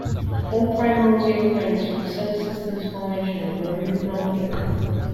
All primordial grains from the Solar System's formation were removed long ago.